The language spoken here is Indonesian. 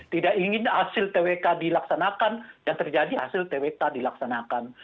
tidak ingin hasil twk dilaksanakan dan terjadi hasil twk dilaksanakan